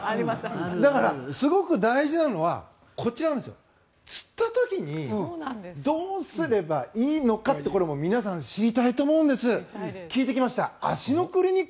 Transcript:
だから、すごく大事なのはこちらつった時にどうすればいいのかこれ、皆さん知りたいと思うんです。